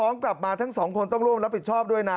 น้องกลับมาทั้งสองคนต้องร่วมรับผิดชอบด้วยนะ